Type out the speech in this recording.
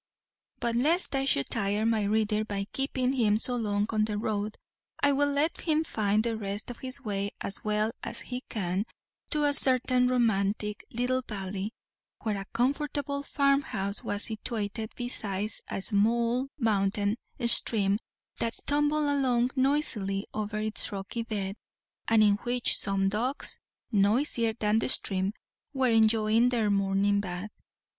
But lest I should tire my reader by keeping him so long on the road, I will let him find the rest of his way as well as he can to a certain romantic little valley, where a comfortable farm house was situated beside a small mountain stream that tumbled along noisily over its rocky bed, and in which some ducks, noisier than the stream, were enjoying their morning bath.